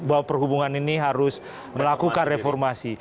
bahwa perhubungan ini harus melakukan reformasi